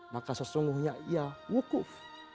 maka sesungguhnya ia wukuf